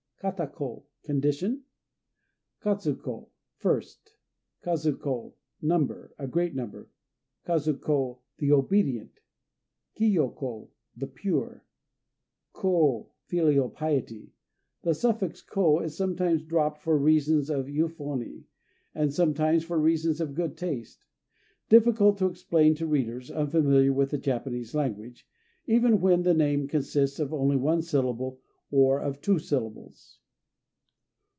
Kata ko "Condition"? Kazu ko "First." Kazu ko "Number," a great number. Kazu ko "The Obedient." Kiyo ko "The Pure." Kô "Filial Piety." The suffix "ko" is sometimes dropped for reasons of euphony, and sometimes for reasons of good taste difficult to explain to readers unfamiliar with the Japanese language even when the name consists of only one syllable or of two syllables.